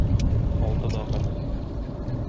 Алтыдагы